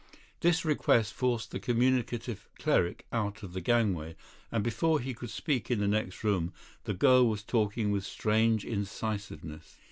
This request forced the communicative cleric out of the gangway, and before he could speak in the next room, the girl was talking with strange incisiveness.